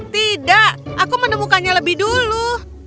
tidak aku menemukannya lebih dulu